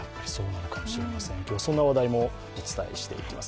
今日はそんな話題もお伝えしていきます。